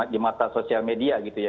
di mata sosial media gitu ya